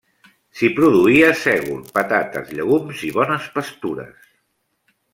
S'hi produïa sègol, patates, llegums i bones pastures.